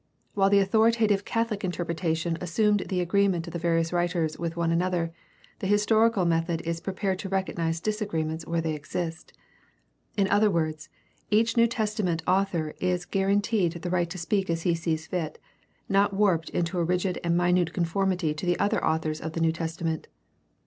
While the authoritative Catholic interpretation assumed the agreement of the various writers with one another, the historical method is prepared to recognize disagreements where they exist. In other words, each New Testament author is guaranteed the right to speak as he sees fit, not warped into a rigid and minute conformity to the other authors of the New Testament.